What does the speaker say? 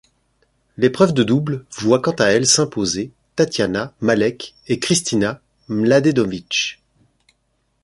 L'épreuve de double voit quant à elle s'imposer Tatjana Malek et Kristina Mladenovic.